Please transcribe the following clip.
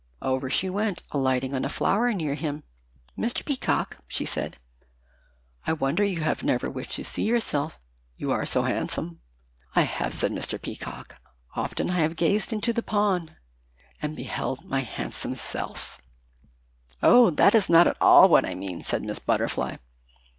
Over she went, alighting on a flower near him. "Mr. Peacock," she said, "I wonder you never have wished to see yourself, you are so handsome." "I have," replied Mr. Peacock; "often I have gazed into the pond and beheld my handsome self." "Oh, that is not at all what I mean," said Miss Butterfly.